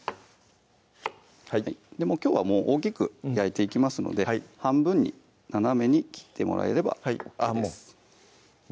きょうは大きく焼いていきますので半分に斜めに切ってもらえればＯＫです